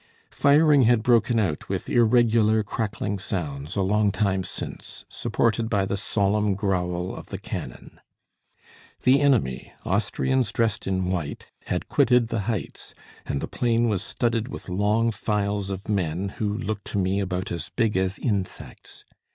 Firing had broken out with irregular crackling sounds, a long time since, supported by the solemn growl of the cannon. The enemy, Austrians dressed in white, had quitted the heights, and the plain was studded with long files of men, who looked to me about as big as insects.